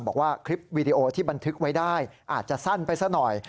บอกว่าคลิปวีดีโอที่บันทึกไว้ได้อาจจะสั้นไปซะหน่อย